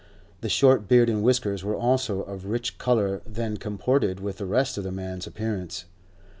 The short beard and whiskers were also of richer colour than comported with the rest of the man's appearance.